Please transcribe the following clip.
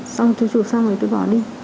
xong tôi chụp xong rồi tôi bỏ đi